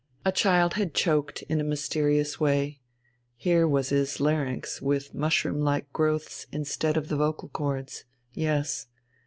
A child had choked in a mysterious way: here was his larynx with mushroom like growths instead of the vocal chords. Yes.